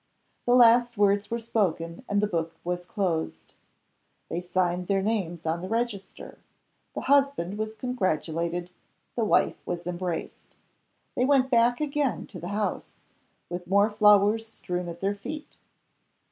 The last words were spoken, and the book was closed. They signed their names on the register; the husband was congratulated; the wife was embraced. They went back aga in to the house, with more flowers strewn at their feet.